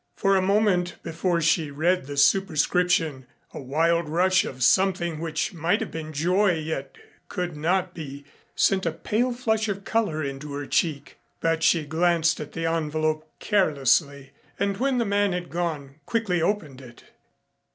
For a moment before she read the superscription, a wild rush of something which might have been joy yet could not be, sent a pale flush of color into her cheek. But she glanced at the envelope carelessly, and when the man had gone, quickly opened it.